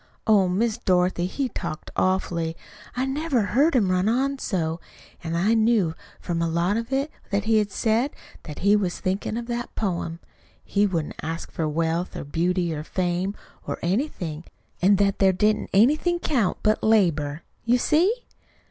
Oh, Miss Dorothy, he talked awfully. I never heard him run on so. An' I knew, from a lot of it that he said, that he was thinkin' of that poem he wouldn't ask for wealth or beauty or fame, or anything, an' that there didn't anything count but labor. You see?"